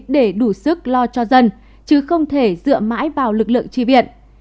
để đủ sức lo cho dân chứ không thể dựa mãi vào lực lượng tri viện